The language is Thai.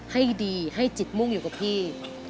เพื่อประชาบี